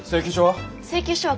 請求書は？